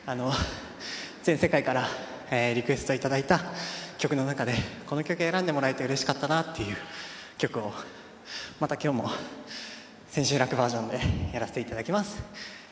全世界からリクエスト頂いた曲の中でこの曲選んでもらえて嬉しかったなっていう曲をまた今日も千秋楽バージョンでやらせて頂きます。